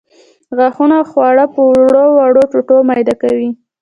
غاښونه خواړه په وړو وړو ټوټو میده کوي.